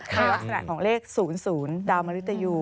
ลักษณะของเลข๐๐ดาวมริตยู